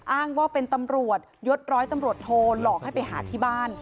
อ้างว่าเป็นตำรวจยศร้อยตำรวจโทรหลอกให้ไปหาที่บ้าน